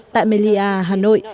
tại melia hà nội